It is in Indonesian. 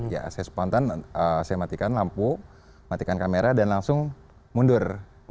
ya saya spontan saya matikan lampu matikan kamera dan langsung mundur